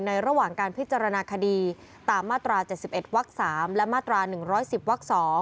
ระหว่างการพิจารณาคดีตามมาตรา๗๑วัก๓และมาตรา๑๑๐วัก๒